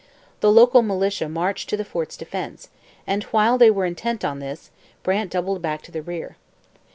The local militia marched to the fort's defence and, while they were intent on this, Brant doubled back to the rear.